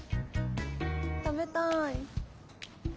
食べたい。